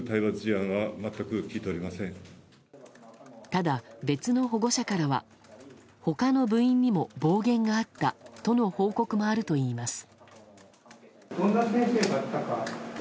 ただ、別の保護者からは他の部員にも暴言があったとの報告もあるといいます。